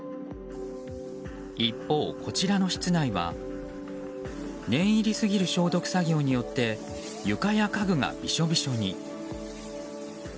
一方、こちらの室内は念入りすぎる消毒作業によって床や家具がびしょびしょに。